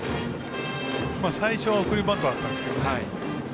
最初は送りバントだったんですけどね。